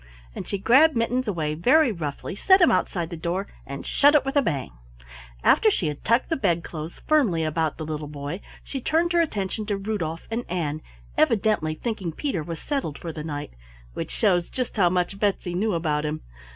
And she grabbed Mittens away very roughly, set him outside the door, and shut it with a bang. After she had tucked the bedclothes firmly about the little boy, she turned her attention to Rudolf and Ann, evidently thinking Peter was settled for the night which shows just how much Betsy knew about him.